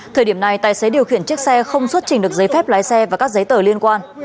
thời điểm này tài xế điều khiển chiếc xe không xuất trình được giấy phép lái xe và các giấy tờ liên quan